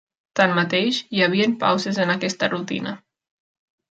Tanmateix, hi havien pauses en aquesta rutina.